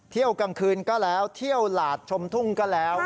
กลางคืนก็แล้วเที่ยวหลาดชมทุ่งก็แล้ว